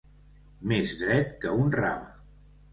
Més dret que un rave.